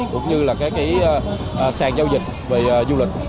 cũng như là các cái sàn giao dịch về du lịch